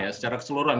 secara keseluruhan ya